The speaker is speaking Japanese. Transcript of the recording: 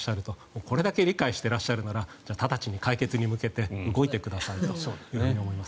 これだけ理解していらっしゃるなら直ちに解決に向けて動いてくださいと思います。